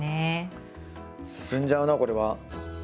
進んじゃうなこれは。